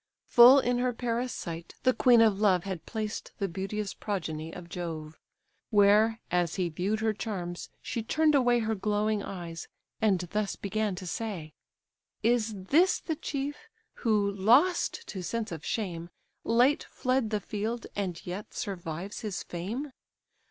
Full in her Paris' sight, the queen of love Had placed the beauteous progeny of Jove; Where, as he view'd her charms, she turn'd away Her glowing eyes, and thus began to say: "Is this the chief, who, lost to sense of shame, Late fled the field, and yet survives his fame?